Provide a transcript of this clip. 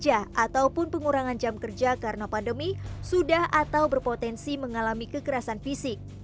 ataupun pengurangan jam kerja karena pandemi sudah atau berpotensi mengalami kekerasan fisik